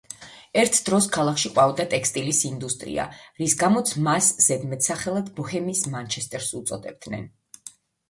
ერთ დროს ქალაქში ყვაოდა ტექსტილის ინდუსტრია, რის გამოც მას ზედმეტსახელად „ბოჰემიის მანჩესტერს“ უწოდებდნენ.